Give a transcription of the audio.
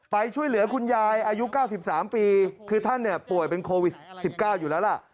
ไปช่วยเหลือคุณยายอายุ๙๓ปีคือท่านป่วยเป็นโควิด๑๙อยู่แล้วล่ะ